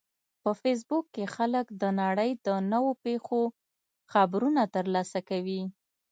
په فېسبوک کې خلک د نړۍ د نوو پیښو خبرونه ترلاسه کوي